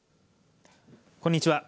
こんにちは。